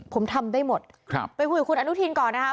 ผมทำได้หมดครับไปคุยกับคุณอนุทินก่อนนะครับ